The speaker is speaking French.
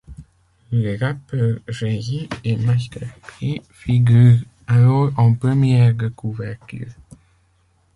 Les rappeurs Jay-Z et Master P figurent alors en première de couverture.